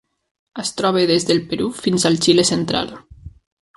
Es troba des del Perú fins al Xile central.